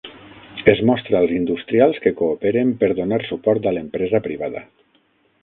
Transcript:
Es mostra als industrials que cooperen per donar suport a l'empresa privada.